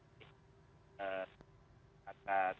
bagaimana cerita awalnya soal pengadaan laptop dan juga istilah laptop ini